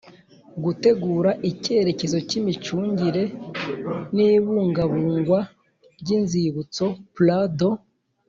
Gutegura icyerekezo cy imicungire n ibungabungwa ry inzibutso plan de